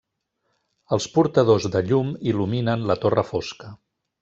Els portadors de llum il·luminen la torre fosca.